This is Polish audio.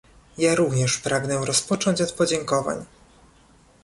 Ja również pragnę rozpocząć od podziękowań